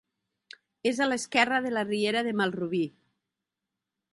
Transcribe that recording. És a l'esquerra de la riera de Malrubí.